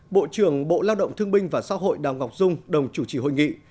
bộ trưởng bộ lao động thương binh và xã hội đào ngọc dung đồng chủ trì hội nghị